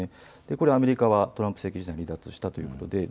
これはアメリカはトランプ政権時代に離脱したということです。